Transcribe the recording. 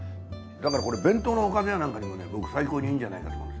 だからこれ弁当のおかずやなんかにもね最高にいいんじゃないかと。